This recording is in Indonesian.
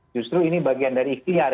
justru ini bagian dari ikhtiar